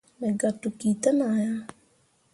Megah tokki ten ah ya.